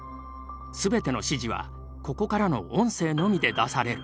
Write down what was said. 全ての指示はここからの音声のみで出される。